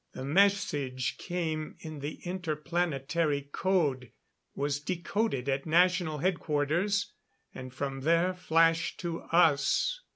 The message came in the inter planetary code, was decoded at National Headquarters, and from there flashed to us.